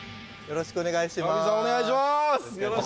よろしくお願いします。